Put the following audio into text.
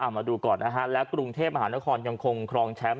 มาดูก่อนนะฮะและกรุงเทพมหานครยังคงครองแชมป์